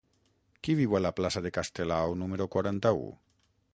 Qui viu a la plaça de Castelao número quaranta-u?